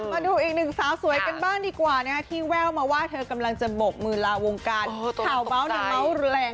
มาดูอีกหนึ่งสาวสวยกันบ้างดีกว่านะคะที่แว่ลมาว่าเธอกำลังจะบบมือลาวงการ